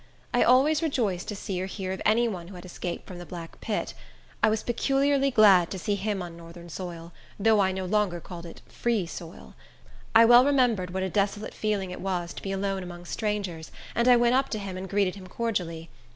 I always rejoiced to see or hear of any one who had escaped from the black pit; I was peculiarly glad to see him on Northern soil, though I no longer called it free soil. I well remembered what a desolate feeling it was to be alone among strangers, and I went up to him and greeted him cordially.